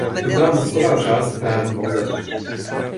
Dutá mozková část chrání mozek.